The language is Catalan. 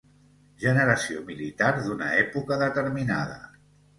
Generació militar d'una època determinada.